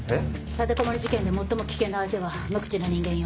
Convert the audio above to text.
立てこもり事件で最も危険な相手は無口な人間よ。